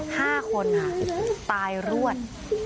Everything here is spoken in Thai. ห้าคนอ่ะตายรวด